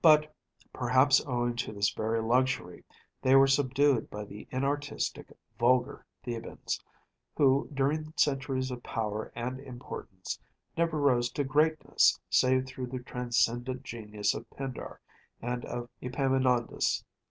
But, perhaps owing to this very luxury, they were subdued by the inartistic, vulgar Thebans, who, during centuries of power and importance, never rose to greatness save through the transcendent genius of Pindar and of Epaminondas.